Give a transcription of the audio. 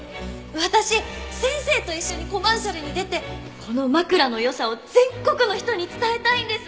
私先生と一緒にコマーシャルに出てこの枕の良さを全国の人に伝えたいんです！